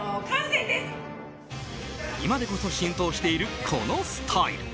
今でこそ浸透しているこのスタイル。